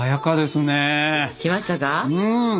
うん。